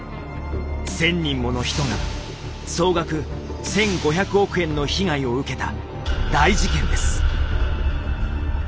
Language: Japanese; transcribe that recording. １，０００人もの人が総額１，５００億円の被害を受けた大事件です。